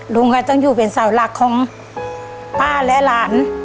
ลุงก็ต้องอยู่เป็นเสาหลักของป้าและหลาน